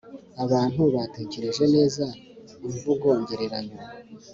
abantu batekereje neza, imvugo ngereranyo